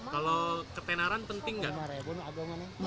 kalau ketenaran penting gak